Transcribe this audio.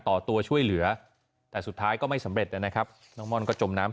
ต่อตัวช่วยเหลือแต่สุดท้ายก็ไม่สำเร็จนะครับน้องม่อนก็จมน้ำ